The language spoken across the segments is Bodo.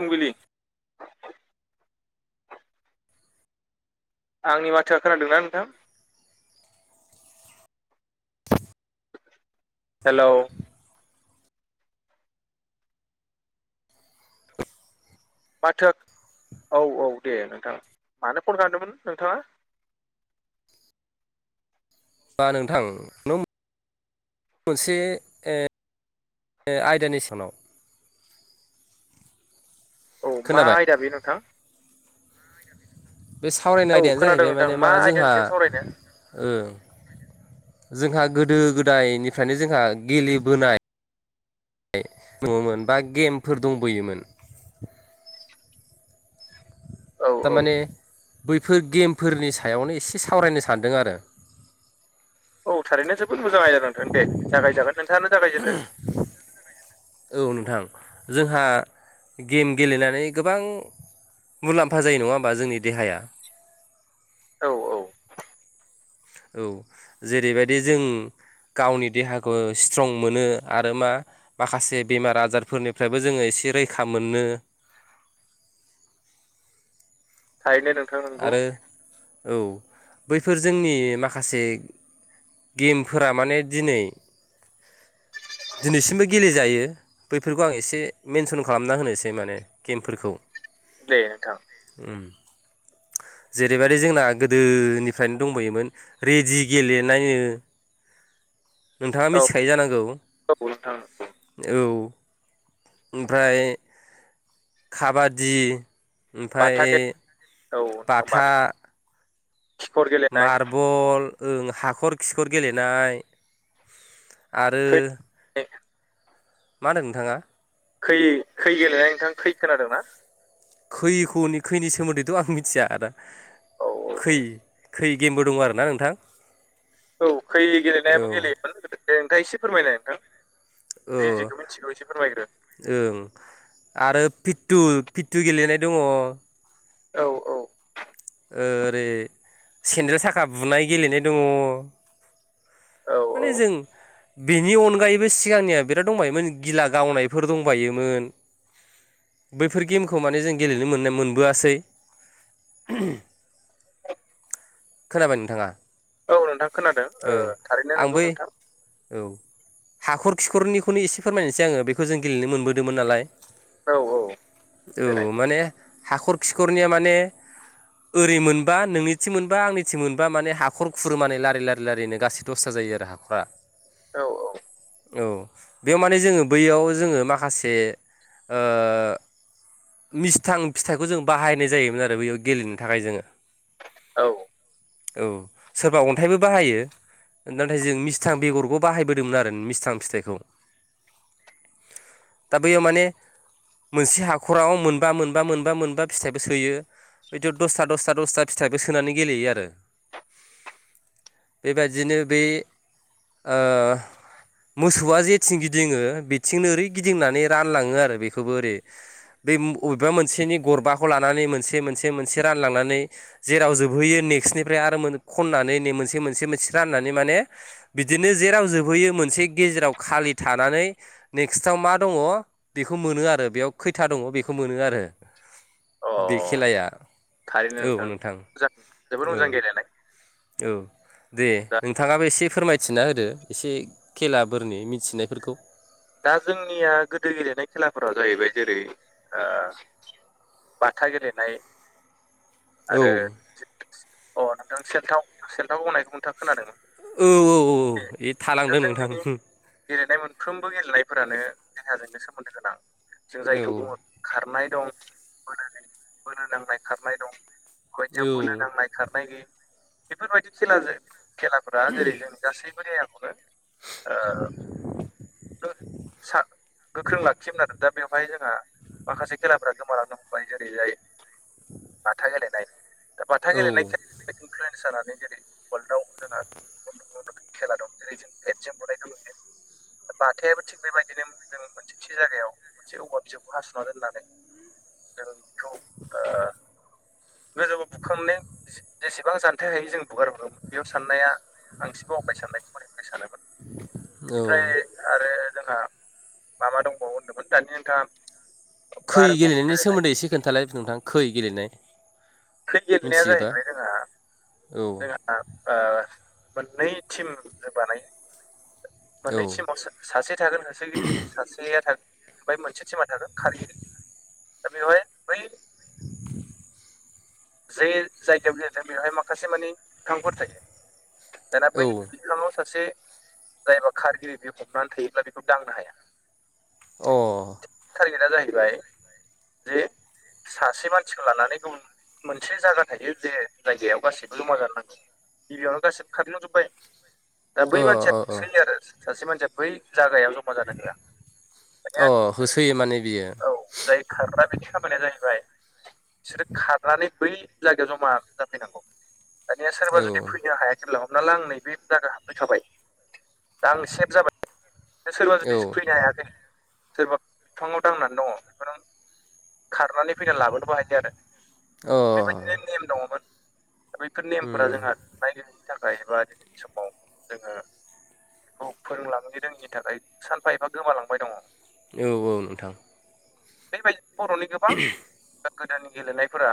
फुंबिलि आंनि बाथ्रा खोनादों ना नोंथां? हेलौ। माथो औ औ दे नोंथां। मानो फन खालामदोंमोन नोंथाङा? बा नोंथां। मोनसे आयदानि सानाव औ मा खोनाबाय आयदा बे नोंथां। बे सावरायनाय औ आयदायानो खोनादों जाहैबाय नोंथां माने मा आयदानि जोंहा सायाव सावरायनो ओ जोंहा गोदो गोदाइनिफ्रायनो जोंहा गेलेबोनाय दङमोन, बा गेमफोर दंबोयोमोन। औ औ थारमाने बैफोर गेमफोरनि सायावनो एसे सावरायनो सानदों आरो औ थारैनो जोबोद मोजां आयदा जादों नोंथां दे जागायजागोन नोंथांआनो जागायजेनदो औ नोंथां जोंहा गेम गेलेनानै गोबां मुलाम्फा जायो नङा होमबा जोंनि देहाया औ औ औ जेरैबायदि जों गावनि देहाखौ स्ट्रं मोनो आरो मा माखासे बेमार आजारफोरनिफ्रायबो जोङो एसि रैखा मोनो थारैनो नोंथां नंगौ आरो औ बैफोर जोंनि माखासे गेमफोरा माने दिनै दिनैसिमबो गेलेजायो बैफोरखौ आं एसे मेनसन खालामना होनोसै माने गेमफोरखौ दे नोंथां उम जेरैबायदि जोंना गोदोनिफ्रायनो दंबोयोमोन रेदि गेलेनायो [inaudible] नोंथांआ औ मिथिखायो जानांगौ औ नोंथां औ ओमफ्राय खाबादि बाथा गे आमफ्राय औ नोंथां बाथा खिखर गेलेनाय मारबल ओं हाखर खिखर गेलेनाय आरो [inaudible] मा होनदों नोंथांआ? खै खै गेलेनाय नोंथां खै खोनादों ना? खैखौनि खैनि सोमोन्दैथ' आं मिथिआ आदा औ खै खै गेमबो दं आरो ना नोंथां औ खै औ गेलेनायाबो गेलेयोमोन गोेदो नोंथा एसे फोरमायनाय नोंथां औ जि जिखौ मिथिगौ एसे फोरमायग्रो ओं आरो फिटु फिटु गेलेनाय दङो औ औ ओरै सेन्देल साखा बुनाय गेलेनाय दङ औ औ माने जों बेनि अनगायैबो सिगांनिआ बिराद दंबायोमोन गिला गावनायफोर दंबायोमोन बैफोर गेमखौ माने जों गेलेनो मोननाय मोनबोआसै उम खोनाबाय नोंथांआ? औ नोंथां खोनादों ओ थारैनो आं बै नंगौ नोंथां औ हाखर खिखरनिखौनो एसे फोरमायनोसै आङो बेखौ जों गेलेनो मोनबोदोंमोन नालाय औ औ देनाय औ माने हाखर खिखरनिआ माने ओरै मोनबा नोंनिथिं मोनबा आंनिथिं मोनबा माने हाखर खुरो माने लारि लारि लारिनो गासै दसथा जायो आरो बा औ औ औ बेयाव माने जोङो बैयाव जोङो माखासे ओ मिस्थां फिथाइखौ जों बाहायनाय जायोमोन आरो बेयाव गेलेनो थाखाय जोङो औ औ सोरबा अन्थाइबो बाहायो नाथाय जों मिस्थां बेगरखौ बाहायबोदोंमोन आरो मिस्थां फिथाइखौ दा बैयाव माने मोनसे हाखराव मोनबा मोनबा मोनबा मोनबा फिथाइबो सोयो बिदु दसथा दसथा दसथा फिथाइबो सोनानै गेलेयो आरो बेबादिनो बे ओ मोसौआ जेथिं गिदिङो बेथिंनो ओरै गिदिंनानै रानलाङो आरो बेखौबो ओरै बे अबेबा मोनसेनि गरबाखौ लानानै मोनसे मोनसे मोनसे रानलांनानै जेराव जोबहैयो नेक्निफ्राय आरो खननानै मोनसे मोनसे मोनसे राननानै माने बिदिनो जेराव जोबहैयो मोनसे गेजेराव खालि थानानै नेक्स्टआव मा दङ बेखौ मोनो आरो बेयाव खैथा दङ बेखौ मोनो आरो अ बे खेलाया थारैनो नोंथां मोजां जोबद औ मोजां गेलेनाय। औ दे दा नोंथाङाबो एसे फोरमायथिना होदो एसे खेलाफोरनि मिथिनायफोरखौ दा जोंनिया गोदो गेलेनाय खेलाफोरा जाहैबाय जेरै ओ बाथा गेलेनाय औ आरो अ नोंथां सेलथाव सेलथाव गावनायखौ नोंथां खोनादों औ औ औ इ थालांदो जोंनि नोंथां गेलेनाय मोनफ्रोमबो गेलेनायफोरानो देहाजोंनो सोमोन्दो गोनां जों औ जायखौ बुङो खारनाय दं बोलो नांनाय खारनाय दं बायदिया औ बोनो नांनाय खारनाय गैयै बेफोरबायदि खेलाजों खेलाफोरा जेरै जों गासैबो देहाखौनो [inaudible] ओ सा गोख्रों लाखियोमोन आरो दा बेवहाय जोंहा माखासे खेलाफोरा गोमालांनो हमबाय जेरै जाय बाथा गेलेनाय दा बाथा औ गेलेनाय इनफ्लुयेन्स जानानै जेरै वर्ल्ड आव जोंहा गुबुन गुबुन रोखोम खेला दं जेरै जों बेदजों बुनायखौ नुयो बाथायाबो थिग बेबायदिनो जों मोनसे थि जायगायाव मोनसे औवा बिजौखौ हासना दोननानै जों बेखौ ओ गोजौआव बुखांनाय जेसेबां जानथाय हायो जों बुगारबोमोन बेयाव साननाया आं एसे बावबाय साननायखौ बोरै बोरै सानोमोन औ बेनिफ्राय आरो जोंहा मा मा दंबावो होनदोंमोन दानि नोंथाङा खै आरो गल गेलेनायनि गेलेनाय सोमोन्दै एसे खोन्थालाय नोंथां खै गेलेनाय। खै गेलेनाया मिथियोबा जाहैबाय जोंहा औ जोंहा ओ मोननै टिम जों बानायो औ मोननै टिमाव सासे थागोन [unintelligible] सासेया थागोन ओमफ्राय मोनसे टिमा [unintelligible] खारगिरि दा बेवहाय बै [inaudible] जे जायगायाव गेलेदों बेवहाय माखासे माने बिफांफोर थायो दाना औ बै हालामाव सासे जायबा खारगिरि बि हमनानै थायोब्ला बेखौ दांनो हाया अ थारगेदा जाहैबाय जे सासे मानसिखौ लानानै गुबुन मोनसे जायगा थायो जे जायगायाव गासिबो जमा जानो नांगौ गिबियावनो गासिबो खारलांजोब्बाय दा बै अ मानसिया अ अ होसोयो आरो सासे मानसिया बै जागायाव जमा जानो होआ अ दानिया होसोयो माने बियो औ जाय खारग्रा बेनि खामानिया जाहैबाय बिसोरो खारनानै बै जगायाव जमा जाफैनांगौ दानिया सोरबा औ जुदि फैनो हायाखैब्ला हमना ला आं नैबे जायगा हाबबाय खाबाय दा आं सेभ जाबाय सोरबा औ जुदि फैनो हायाखै सोरबा बिफाङाव दांनानै दङ बिफोराव खारनानै फैनानै लाबोनोबो हायो आरो अ बेबायदिनो नेम दङमोन दा बैफोर नेमफोरा उम जोंहा नायगिरनायनि थाखाय एबा दिनैनि समाव जोङो बेखौ फोरोंलांनो रोङि नि थाखाय सानफा एफा गोमालांबाय दङ नोंगौ औ नोंथां बेबायदि बर'नि गोबां गोदोनि गेलेनायफोरा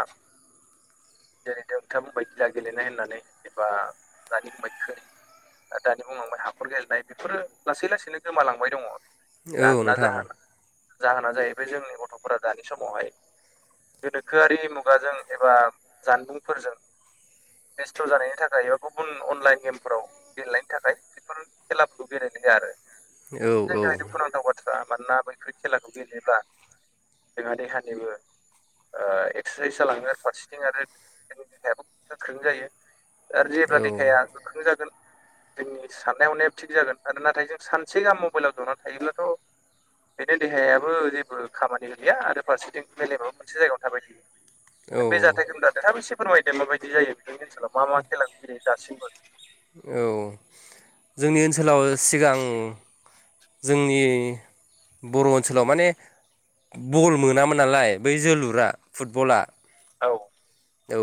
जेरै नोंथाङा बुंंबाय गिला गेलेनाय होननानै एबा दानि बुंबाय खै दानि बुंबाय हाखर गेलेनाय बेफोरो लासै लासै लासैनो गोमालांबाय दङ औ मानोना नोंथां जोंहा जाहोना जाहैबाय जोंनि गथ'फोरा दानि समावहाय गोनोखोआरि मुगाजों एबा जानबुंफोरजों बेस्थ जानायनि थाखाय एबा गुबुन अनलाइन गेमफोराव गेलेनायनि थाखाय बेफोर खेलाफोरखौ गेलेनाय जाया आरो औ द जोंनि थाखाय औ दुखुनांथाव बाथ्रा मानोना बैफोर खेलाखौ गेलेब्ला जोंहा देहानिबो एक्सारसाइस जालाङो आरो फारसेथिं आरो जोंनि देहायाबो गोख्रों जायो आरो जेब्ला औ देहाया गोख्रों जागोन जोंनि साननाय हनायाबो थिग जागोन आरो नाथाय जों सानसे गाहाम मबाइलाव जना थायोब्लाथ बेनो देहायाबो जेबो खामानि गैया आरो फारसेथिं मेलेबाबो मोनसे जायगायावनो थाबाय थायो बे औ जाथायखौनो थाब एसे फोरमायदो माबायदि जायो नोंथनि ओनसोलाव मा मा खेला गेलेयो दासिमबो औ जोंनि ओनसोलाव सिगां जोंनि बर' ओनसोलाव माने बल मोनामोन नालाय बै जोलुरा फुटबला औ औ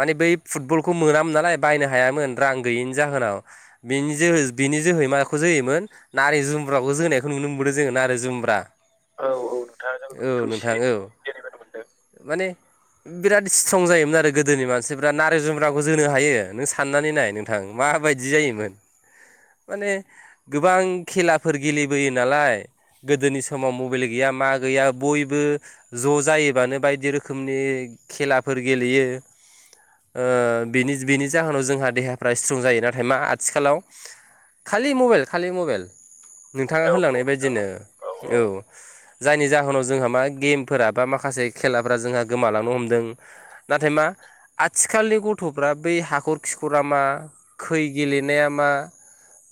माने बै फुटबलखौ मोनामोन नालाय बायनो हायामोन रां गैयिनि जाहोनाव बेनि जोहै बिनि जोहै माखौ जोहोमोन नारै जुम्ब्राखौ जोनायखौ नुनो मोनदों जोङो नारें जुम्ब्रा औ नोंथाङा जोंबो औ बेखौ एसे नोंथां औ गेलेबोनो मोनदों माने बिराद फसं जायोमोन आरो गोदोनि मानसिफ्रा नारें जुमग्राखौ जोनो हायो नों साननानै नाय नोंथां माबायदि जायोमोन [inaudible] माने गोबां खेलाफोर गेलेबोयो नालाय गोदोनि समाव मबाइल गैया मा गैया बयबो ज' जायोबानो बायदि रोखोमनि खेलाफोर गेलेयो बिनि बेनि जाहोनाव जोंहा देहाफ्रा स्ट्रं जायो नाथाय मा आथिखालाव खालि मबाइल खालि मबाइल नोंथाङा औ होलांनाय नोंथां बायदिनो औ जायनि जाहोनाव जोंहा मा गेमफोरा बा माखासे खेलाफोरा जोंहा गोमालांनो हमदों नाथाय मा आथिखालनि गथ'फ्रा बै हाखर खिखरा मा खै गेलेनाया मा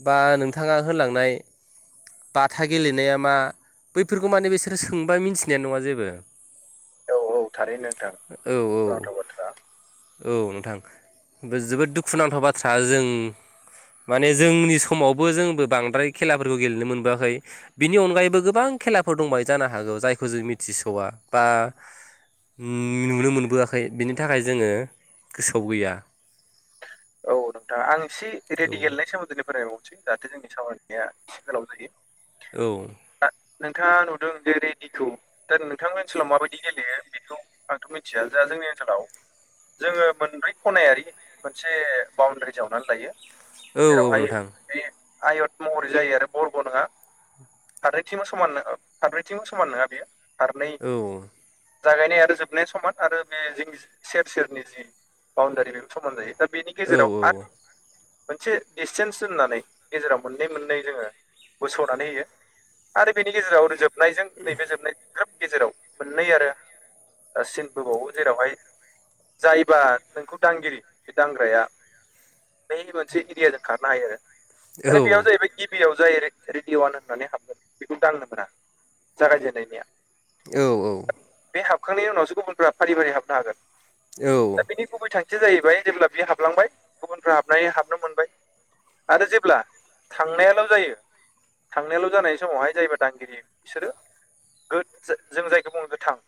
बा नोंथाङा होलांनाय बाथा गेलेनाया मा बैफोरखौ माने बिसोरो सोंबा मिन्थिनाया नङा जेबो औ औ थारैनो नोंथां औ औ बावथाव बाथ्रा औ नोंथां बे जोबोद दुखुुनांथाव बाथ्रा जों माने जोंनि समावबो जोंबो बांद्राय खेलाफोरखौ गेलेनो मोनबोआखै बिनि अनगायैबो गोबां खेलाफोर दंबाय जानो हागौ जायखौ जों मिथिस'या बा नुनो मोनबोआखै बिनि थाखाय जोङो गोसोआव गैया औ नोंथाङा आं एसे रेडि औ गेलेनाय सोमोन्दै फरायबावदों जाहाथे जोंनि सावरायनाया एसे गोलाव जायो औ दा नोंथाङा नुदों ज रेडिखौ दा नोंथांनि ओनसोलाव माबायदि गेलेयो बेखौ आंथ' मिथिया जोंहा जोंनि ओनसोलाव जोङो मोनब्रै खनायारि मोनसे बाउणडारि जावनानै लायो औ औ जेरावहाय नोंथां बे आयत महरै जायो आरो बरग' नङा फारनैथिंबो समान नङा बेयो फारथिंबो समान नङा बेयो फारनै औ जागायनाय आरो जोबनाय समान आरो बे जों सेर सेरनि जि बाउणडारि बेबो समान जायो दा बेनि औ गेजेराव आरो मोनसे डिसटेन्स दोननानै गेजेराव मोननै मोननै जोङो बोसावनानै होयो आरो बेनि गेजेरावनो जोबनायजों नैबे जोबनाय ग्रोब गेजेराव मोननै आरो सिनबोबावो जेरावहाय जायबा नोंखौ दांगिरि बे दांग्राया बै मोनसे एरियाजों खारनो हायो आरो औ दा बेयाव जाहैबाय टिभियाव जाय रेडिअ' वान होननानै हाबगोन बेखौ दांनो मोना जागायजेननायनिया। औ औ बे हाबखांनायनि उनावसो गुबुनफ्रा फारि फारि हाबनो हागोन। दा औ बेनि गुबै थांखिया जाहैबाय जेब्ला बियो हाबलांबाय गुबुनफ्रा हाबनानै हाबनो मोनबाय। आरो जेब्ला थांनायाल' जायो थांनायाल' जानाय समावहाय जायबा दांगिरि बिसोरो गोद जों जायखौ बुङो गोथां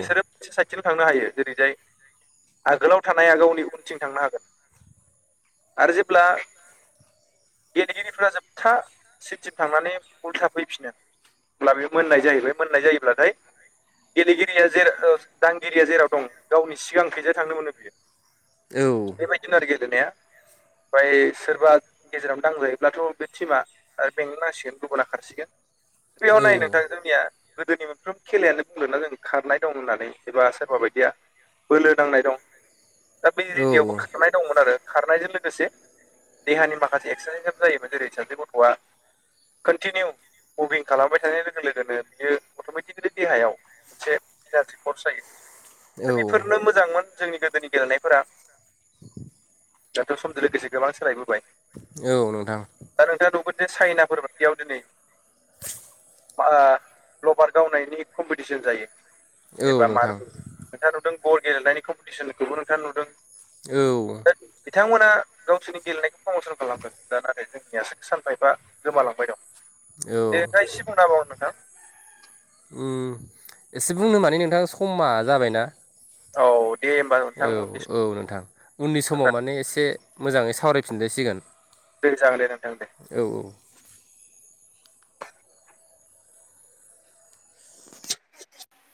बिसोरो मोनसे साइटथिल' थांनो हायो जेरैजाय आगोलाव थानाय आगाव उनथिं थांनो हागोन। आरो जेब्ला गेलेगिरिफोरा जोबथा सिनसिम थांनानै उल्था फैफिनो अब्ला बे मोननाय जायो बे मोननाय जायोब्लाथाय गेलेगिरिया जेराव दांगिरिया जेराव दं गावनि सिगां खैजाय थांनो मोनो बियो। औ बेबायदिनो आरो गेलेनाया ओमफ्राय सोरबा गेजेरावनो दांजायोब्लाथ' बे टिमा आरो बेंनो नांसिगोन गुबुना खारसिगोन बेयाव नाय नोंथां जोंनिया गोदोनि मोनफ्रोम खेलायानो बुंदों ना जों खारनाय दं होननानै एबा सोरबा बायदिया बोलो नांनाय दं। दा बे रेडिअबो खारनाय दंमोन आरो खारनायजों लोगोसे देहानि माखासे एक्सारसाइस जायोमोन जेरै सासे गथ'आ कन्टिनिउ मभिं खालामबाय थानाय लोगो लोगोनो बियो अटमेटिकेलि देहायाव मोनसे इनारजि कर्स जायो दा बेफोरनो मोजांमोन जोंनि गोदोनि गेलेनायफोरा। दाथ' समजों लोगोसे गोबां सोलायबोबाय। औ नोंथां। दा नोंथाङा नुबबो चाइनाफोर बायदियाव दिनै लभार गावनायनि कम्पिटिसन जायो औ एबा नोंथां मारबल नोंथाङा नुदों बल गेलेनायनि कम्पिटिसनखौबो नोंथाङा नुदों। औ दा बिथांमोना गावसोरनि गेलेनायखौ प्रमसन खालामदों दा नाथाय जों जोंनियासो सानफा एफा गोमालांबाय दं औ दे दा एसे बुंना होबाव नोंथां। एसे बुंनो माने नोंथां समा जाबायना। औ दे होमबा औ नोंथां उननि औ नोंथां उननि सम समाव माने एसे मोजाङै सावरायफिनजायसिगोन। दे जागोन दे नोंथां दे। औ औ [inaudible]